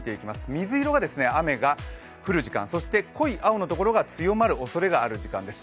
水色が雨が降る時間、そして濃い青のところが強まるおそれがある時間です。